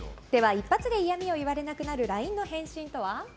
一発で嫌味を言われなくなるＬＩＮＥの返信とは？